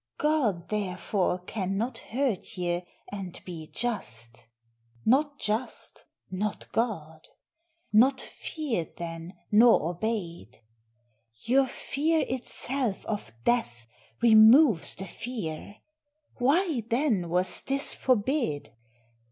God therefore cannot hurt ye, and be just; Not just, not God: not feared then, nor obeyed: Your fear itself of death removes the fear. Why then was this forbid?